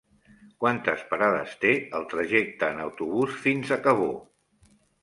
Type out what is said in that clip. Quantes parades té el trajecte en autobús fins a Cabó?